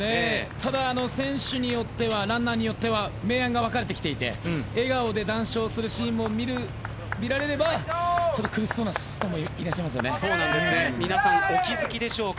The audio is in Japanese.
ただ選手によってはランナーによっては明暗が分かれて笑顔で談笑するシーンも見られれば苦しそうな人も皆さんお気付きでしょうか。